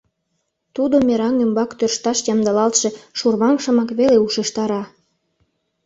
Тудо мераҥ ӱмбак тӧршташ ямдылалтше шурмаҥшымак веле ушештара.